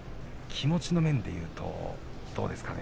気持ちの面でいうとどうですかね？